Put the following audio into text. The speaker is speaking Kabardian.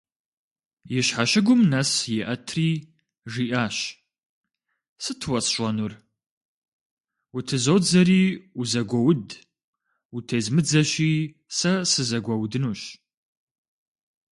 И щхьэщыгум нэс иӏэтри, жиӏащ: «Сыт уэсщӏэнур? Утызодзэри - узэгуоуд, утезмыдзэщи, сэ сызэгуэудынущ».